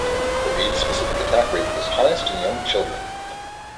The age-specific attack rate is highest in young children.